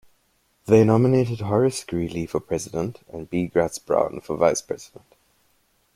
They nominated Horace Greeley for president and B. Gratz Brown for vice president.